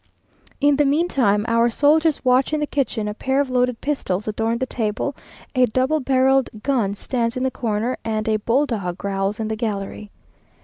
In the mean time our soldiers watch in the kitchen, a pair of loaded pistols adorn the table, a double barrelled gun stands in the corner, and a bull dog growls in the gallery.